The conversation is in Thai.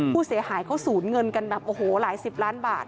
ผู้เสียหายเขาสูญเงินกันแบบโอ้โหหลายสิบล้านบาท